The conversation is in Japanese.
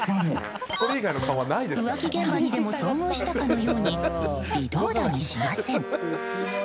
浮気現場にでも遭遇したかのように微動だにしません。